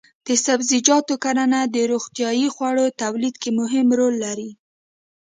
د سبزیجاتو کرنه د روغتیايي خوړو تولید کې مهم رول لري.